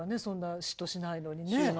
そんな嫉妬しないのにね。